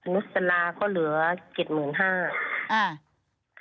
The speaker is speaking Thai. นุษย์ศาลาก็เหลือ๗๕๐๐๐บาท